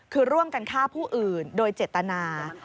คือร่วมกันฆ่าผู้อื่นโดยเจตนา